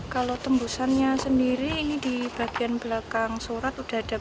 kalau tembusannya sendiri ini di bagian belakang surat sudah ada